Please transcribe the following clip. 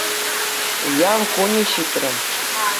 Уяв кунӗ ҫитрӗ.